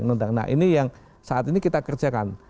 nah ini yang saat ini kita kerjakan